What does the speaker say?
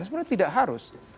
sebenarnya tidak harus